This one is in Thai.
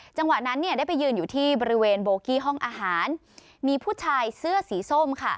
จังหวะนั้นเนี่ยได้ไปยืนอยู่ที่บริเวณโบกี้ห้องอาหารมีผู้ชายเสื้อสีส้มค่ะ